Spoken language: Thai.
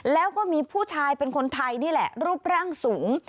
แล้วก็มีผู้ชายเป็นคนไทยนี่แหละรูปร่างสูง